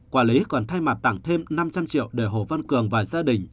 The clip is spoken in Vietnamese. quản lý còn thay mặt tặng thêm năm trăm linh triệu để hồ văn cường và gia đình